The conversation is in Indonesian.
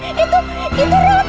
fadil itu itu rumah